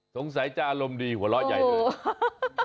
สงสัยจะอารมณ์ดีหัวเราะใหญ่เลย